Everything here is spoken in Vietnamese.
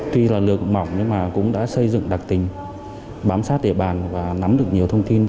tuy là lừa mỏng nhưng mà cũng đã xây dựng đặc tình bám sát địa bàn và nắm được nhiều thông tin